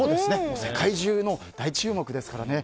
世界中の大注目ですからね。